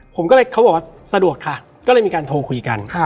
ผมก็เลยเขาบอกว่าสะดวกค่ะก็เลยมีการโทรคุยกัน